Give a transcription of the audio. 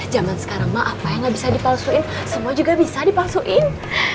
zaman sekarang mah apa yang gak bisa dipalsuin semua juga bisa dipalsuin